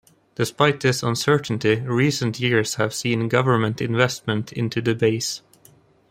Despite this uncertainty, recent years have seen government investment into the base.